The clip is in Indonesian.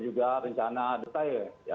juga rencana desain ya